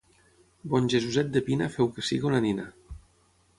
Bon Jesuset de Pina feu que sigui una nina.